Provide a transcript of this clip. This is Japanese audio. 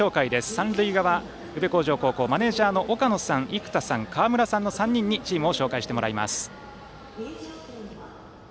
三塁側、宇部鴻城高校のマネージャーの岡野さん生田さん、河村さんの３人にチームを紹介してもらいます。